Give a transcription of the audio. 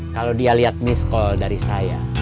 kalau dia liat miss call dari saya